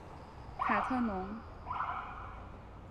卡特农。